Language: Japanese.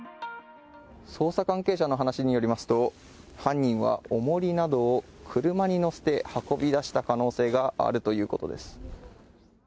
捜査関係者の話によりますと犯人は重りなどを車に載せて運び出した可能性があるということです。